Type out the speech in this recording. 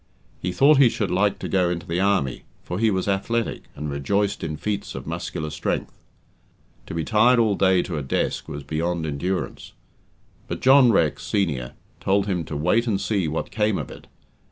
He thought he should like to go into the army, for he was athletic, and rejoiced in feats of muscular strength. To be tied all day to a desk was beyond endurance. But John Rex, senior, told him to "wait and see what came of it."